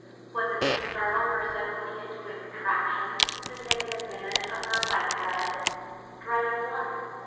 Was it to startle her suddenly into a retractation—to take an advantage of her by dread? Dread of what?